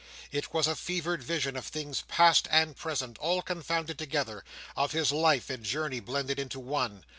It was a fevered vision of things past and present all confounded together; of his life and journey blended into one.